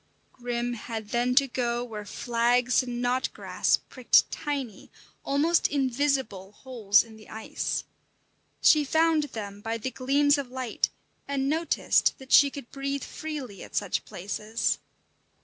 Grim had then to go where flags and knotgrass pricked tiny, almost invisible holes in the ice. She found them by the gleams of light, and noticed that she could breathe freely at such places.